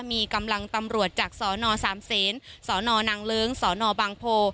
มีกำลังตำรวจจากสนสามเซนสนนางเลิ้งสนบางโพ